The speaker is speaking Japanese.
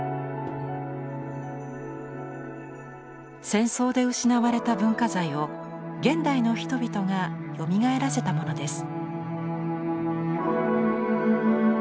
戦争で失われた文化財を現代の人々がよみがえらせたものです。